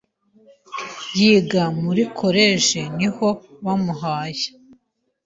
Yiga muri koleje niho bamuhaye